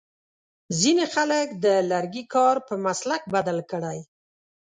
ځینې خلک د لرګي کار په مسلک بدل کړی.